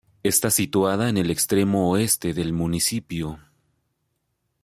Está situada en el extremo oeste del municipio.